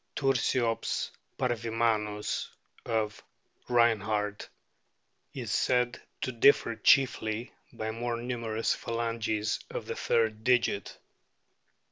Tursiops parvimamLS, of Reinhardt,* is said to differ chiefly by more numerous phalanges of the third digit.